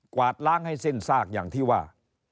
วาดล้างให้สิ้นซากอย่างที่ว่า